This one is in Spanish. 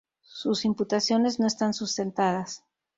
Sus imputaciones no están sustentadas.